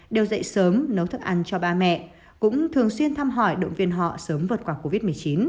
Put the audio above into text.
đều dậy sớm nấu thức ăn cho ba mẹ cũng thường xuyên thăm hỏi động viên họ sớm vượt qua covid một mươi chín